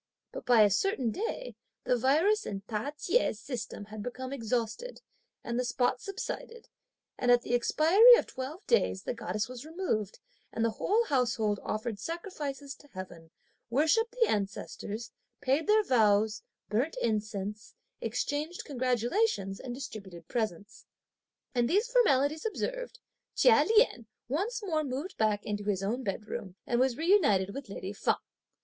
But by a certain day the virus in Ta Chieh's system had become exhausted, and the spots subsided, and at the expiry of twelve days the goddess was removed, and the whole household offered sacrifices to heaven, worshipped the ancestors, paid their vows, burnt incense, exchanged congratulations, and distributed presents. And these formalities observed, Chia Lien once more moved back into his own bedroom and was reunited with lady Feng.